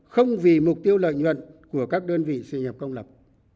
không vì mục tiêu lợi nhuận của các đơn vị sự nghiệp công lập